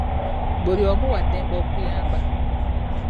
Buli omu wa ddembe okuyamba.